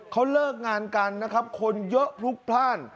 เขาเลิกงานกันนะครับคนเยอะพลุกพลาด